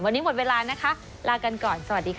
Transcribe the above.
วันนี้หมดเวลานะคะลากันก่อนสวัสดีค่ะ